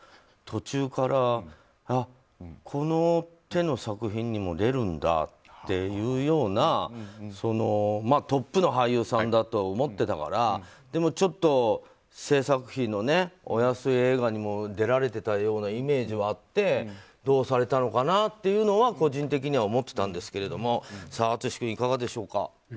途中からこの手の作品にも出るんだっていうようなまあ、トップの俳優さんだと思ってたからでも、ちょっと制作費のお安い映画にも出られてたようなイメージもあってどうされたのかな？というのは個人的には思ってたんですけど淳君、いかがでしょうか。